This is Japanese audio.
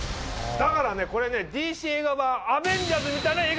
だからこれＤＣ映画版アベンジャーズみたいな映画なんです！